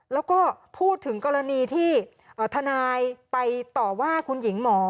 แล้วก็พูดถึงกรณีที่ทนายไปต่อว่าคุณหญิงหมอ